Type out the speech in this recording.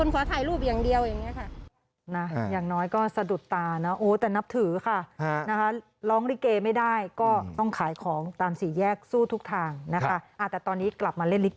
ขอถ่ายรูปอย่างเดียวอย่างนี้ค่ะ